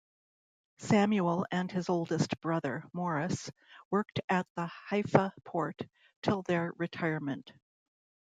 Samuel and his eldest brother, Morris, worked at the Haifa port till their retirement.